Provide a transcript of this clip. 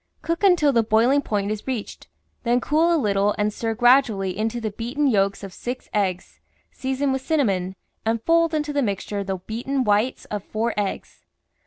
Cook until the boil ing point is reached, then cool a little and stir gradually into the beaten yolks of six eggs, season with cinnamon, and fold into the mixture the beaten whites of four eggs.